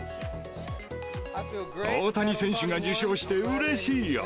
大谷選手が受賞してうれしいよ。